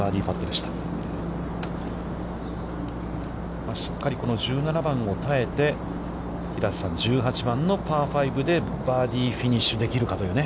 しっかり、この１７番を耐えて、平瀬さん、１８番のパー５でバーディーフィニッシュできるかというね。